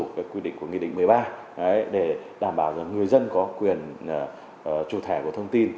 cái quy định của nghị định một mươi ba để đảm bảo là người dân có quyền trụ thẻ của thông tin